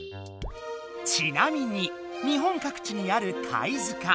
ちなみに日本各地にある「貝塚」。